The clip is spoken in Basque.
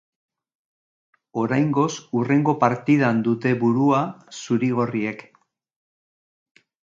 Oraingoz hurrengo partidan dute burua zuri-gorriek.